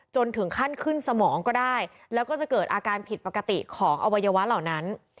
จนถึงขั้นขึ้นสมองก็ได้แล้วก็จะเกิดอาการผิดปกติของอวัยวะเหล่านั้น